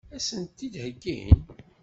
Ad sent-t-id-heggin?